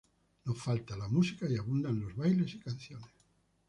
No falta la música y abundan los bailes y canciones.